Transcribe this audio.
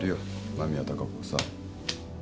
間宮貴子をさ。